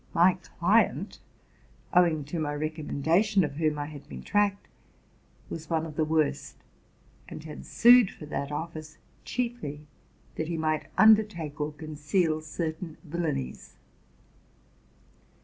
My client, owing to my recommendation of whom I had been tracked, was one of the worst, and had sued for that office chiefly that he might undertake or conceal certain villanies.